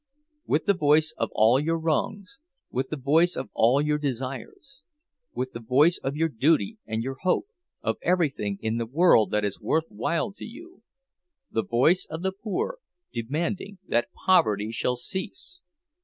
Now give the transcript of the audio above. With the voice of all your wrongs, with the voice of all your desires; with the voice of your duty and your hope—of everything in the world that is worth while to you! The voice of the poor, demanding that poverty shall cease!